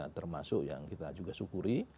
termasuk yang kita juga syukuri